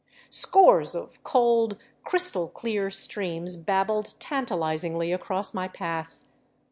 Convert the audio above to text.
Scores of cold, crystal clear streams babbled tantalizingly across my path.